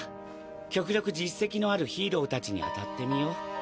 極力実績のあるヒーロー達にあたってみよう。